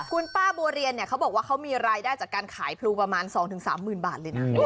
คุณป้าบัวเรียนเนี่ยเขาบอกว่าเขามีรายได้จากการขายพลูประมาณ๒๓๐๐๐บาทเลยนะ